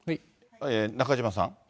中島さん。